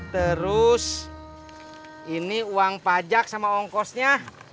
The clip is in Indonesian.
terus ini uang pajak sama ongkosnya